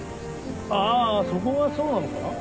あぁそこがそうなのか？